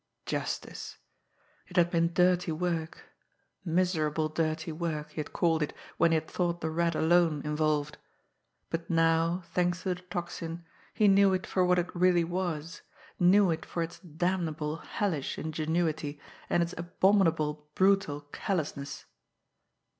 Justice! It had been dirty work miserable, dirty work, he had called it when he had thought the Rat alone involved but now, thanks to the Tocsin, he knew it for what it really was, knew it for its damnable, hellish ingenuity, and its abominable, brutal callousness!